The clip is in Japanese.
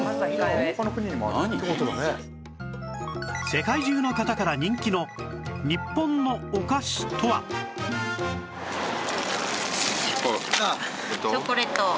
世界中の方から人気の日本のお菓子とは？ああ！